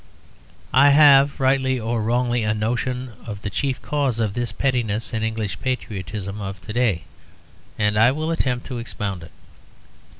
I have, rightly or wrongly, a notion of the chief cause of this pettiness in English patriotism of to day, and I will attempt to expound it.